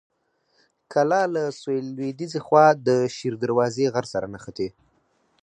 کلا له سویل لویديځې خوا د شیر دروازې غر سره نښتې.